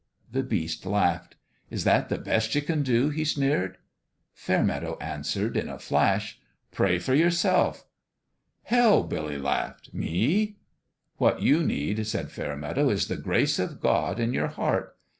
The Beast laughed. " Is that the best ye can do ?" he sneered. Fairmeadow answered, in a flash :" Pray for yourself." " Hell 1 " Billy laughed. " Me ?"" What you need," said Fairmeadow, " is the grace of God in your heart.